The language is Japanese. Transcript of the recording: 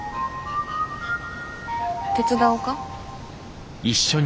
手伝おか？